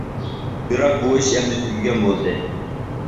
بىراق بۇ ئىش ئەمدى تۈگىگەن بولدى .